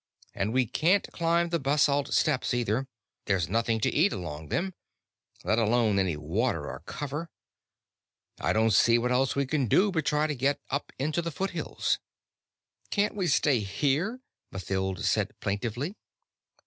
"And we can't climb the Basalt Steppes, either there's nothing to eat along them, let alone any water or cover. I don't see what else we can do but try to get up into the foothills." "Can't we stay here?" Mathild said plaintively.